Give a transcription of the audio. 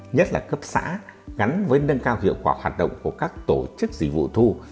nhất là cấp xã gắn với nâng cao hiệu quả hoạt động của các tổ chức dịch vụ thu